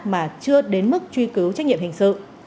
mà chưa đến mức truy cứu trách nhiệm hình sự